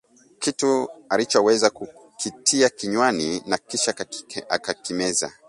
Kitu alichoweza kukitia kinywani na kisha akakimeza